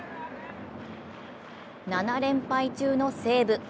７連敗中の西武。